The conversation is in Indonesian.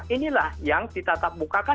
inilah yang ditatap bukakan